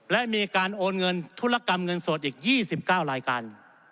และมีการโอนเงินธุรกรรมเงินสดอีก๒๙รายการ